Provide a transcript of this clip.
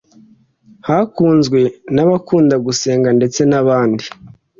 yakunzwe n'abakunda gusenga ndetse n'abandi.